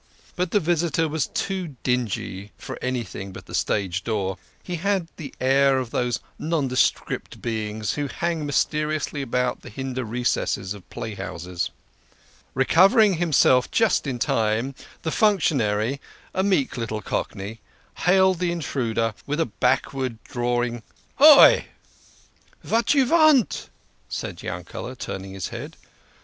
But the visitor was too dingy for any thing but the stage door he had the air of those non descript beings who hang mysteriously about the hinder recesses of playhouses. Recovering himself just in time, the functionary (a meek little Cockney) hailed the intruder with a backward drawing " Hi !"" Vat you vant ?" said Yankele", turning his head.